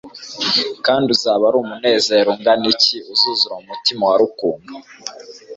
Kandi uzaba ari umunezero ungana iki uzuzura mu mutima wa Rukundo